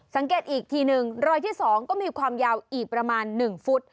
สังเกตอีกทีหนึ่งรอยที่๒ก็มีความยาวอีกประมาณ๑ฟุต